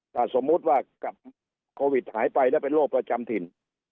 ถ้าสมมุติว่ากับโควิดหายไปแล้วเป็นโรคประจำถิ่น